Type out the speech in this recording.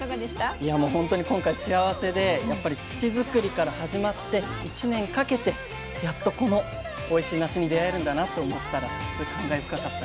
いやもうほんとに今回幸せでやっぱり土作りから始まって１年かけてやっとこのおいしいなしに出会えるんだなと思ったらちょっと感慨深かった。